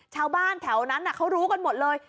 ชาวบ้านแถวนั้นเขารู้กันหมดเลย